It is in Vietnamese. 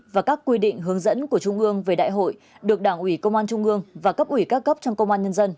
và các quy định hướng dẫn của trung ương về đại hội được đảng ủy công an trung ương và cấp ủy các cấp trong công an nhân dân